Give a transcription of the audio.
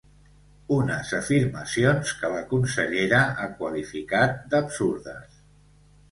Unes afirmacions que la consellera ha qualificat d’absurdes.